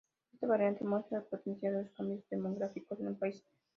Esta variable muestra el potencial de los cambios demográficos en el país.